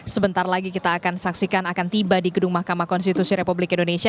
sebentar lagi kita akan saksikan akan tiba di gedung mahkamah konstitusi republik indonesia